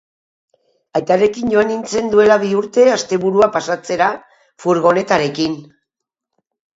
Aitarekin joan nintzen duela bi urte asteburua pasatzera furgonetarekin.